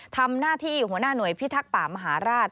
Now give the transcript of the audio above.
ทำหน้าที่หัวหน้าหน่วยพิทักษ์ป่ามหาราช